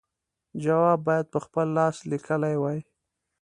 جواب باید په خپل لاس لیکلی وای.